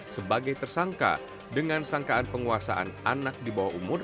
sebagai tersangka dengan sangkaan penguasaan anak di bawah umur